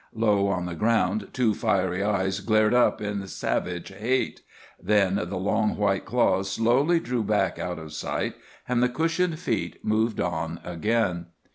Low on the ground two fiery eyes glared up in savage hate; then the long, white claws slowly drew back out of sight and the cushioned feet moved on again.